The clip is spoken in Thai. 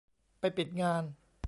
ไปปิดงาน